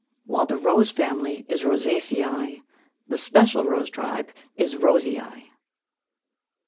While the Rose family is Rosaceæ, the special Rose tribe is Roseæ.